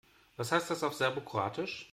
Was heißt das auf Serbokroatisch?